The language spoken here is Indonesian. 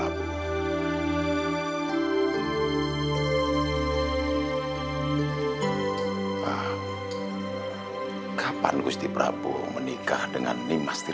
kau jangan khawatir